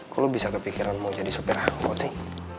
kok lo bisa kepikiran mau jadi supir angkot sih